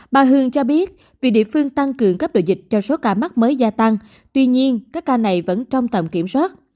bà hương cho biết vì địa phương tăng cường cấp độ dịch cho số ca mắc mới gia tăng tuy nhiên các ca này vẫn trong tầm kiểm soát